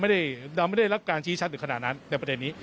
ยังครับเราไม่ได้รับการชี้ชัดหรือขนาดนั้นในประเทศนี้